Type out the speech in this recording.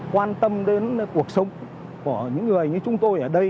quan tâm đến cuộc sống của những người như chúng tôi ở đây